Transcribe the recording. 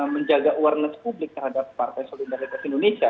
menjaga awareness publik terhadap partai solidaritas indonesia